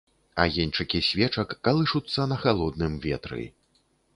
Агеньчыкі свечак калышуцца на халодным ветры.